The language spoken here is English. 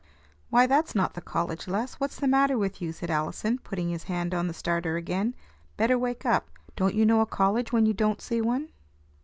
"Why, that's not the college, Les; what's the matter with you?" said Allison, putting his hand on the starter again. "Better wake up. Don't you know a college when you don't see one?"